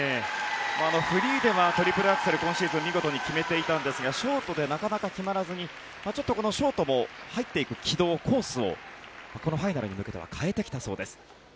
フリーでトリプルアクセル今シーズン決めていましたがショートでなかなか決まらずにちょっとショートも入っていく軌道、コースをこのファイナルに向けては変えてきたそうです。